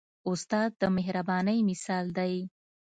استاد د مهربانۍ مثال دی.